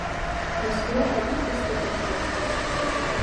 Мәстүрә әбей өҫтәл әҙерләй.